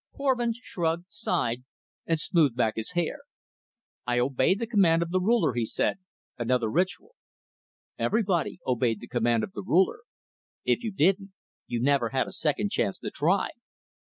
Korvin shrugged, sighed and smoothed back his hair. "I obey the command of the Ruler," he said another ritual. Everybody obeyed the command of the Ruler. If you didn't, you never had a second chance to try.